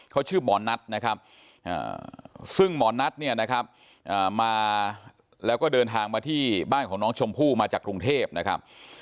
เขาชื่อหมอนัทนะครับซึ่งหมอนัทเนี่ยนะครับมาแล้วก็เดินทางมาที่บ้านของน้องชมพู่มาจากกรุงเทพนะครับ